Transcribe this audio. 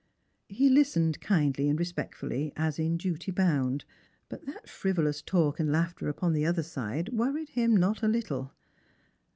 Ha listened kindly and respectfully, as in duty bound, but thai frivolous talk and laughter upon the other side worried him not a little.